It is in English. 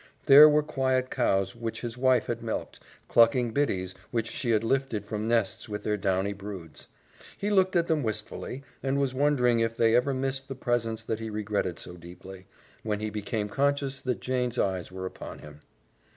There were quiet cows which his wife had milked, clucking biddies which she had lifted from nests with their downy broods. He looked at them wistfully, and was wondering if they ever missed the presence that he regretted so deeply, when he became conscious that Jane's eyes were upon him.